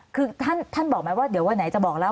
คือท่านบอกไหมว่าเดี๋ยววันไหนจะบอกแล้ว